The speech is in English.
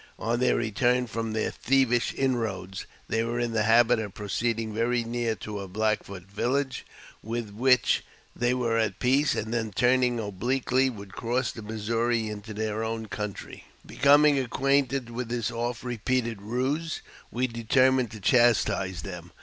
On their return from thei thievish inroads they were in the habit of proceeding very near" to a Black Foot village, with which they were at peace, and then, turning obliquely, would cross the Missouri into theirjB own country. Becoming acquainted with this oft repeated ruse, we determined to chastise them.